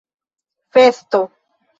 festo